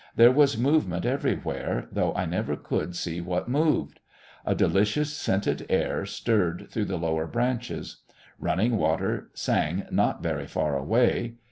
There was movement everywhere, though I never could see what moved. A delicious, scented air stirred through the lower branches. Running water sang not very far away.